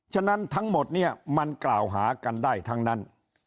ฉะนั้นทั้งหมดเนี่ยมันกล่าวหากันได้ทั้งนั้น